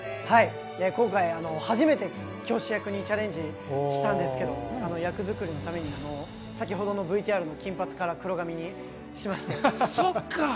今回初めて教師役にチャレンジしたんですけど、役作りのために、ＶＴＲの金髪から黒髪にしまして。